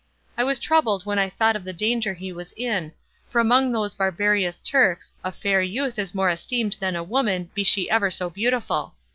I was troubled when I thought of the danger he was in, for among those barbarous Turks a fair youth is more esteemed than a woman, be she ever so beautiful.